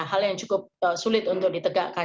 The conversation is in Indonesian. hal yang cukup sulit untuk ditegakkan